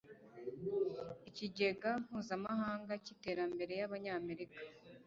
ikigega mpuzamahanga cy iterambere y abanyamerika